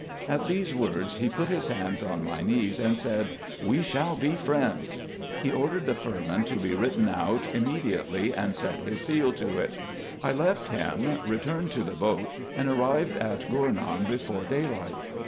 At these words, he put his hands on my knees, and said, "We shall be friends." He ordered the firman to be written out H 50 RESEARCHES AND OPERATIONS immediately, and set his seal to it. I left him, returned to the boat, and arrived at Gournou before daylight.